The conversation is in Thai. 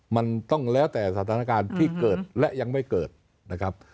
มันต้องแล้วแต่สถานการณ์ที่เกิดและยังไม่เกิดนะครับ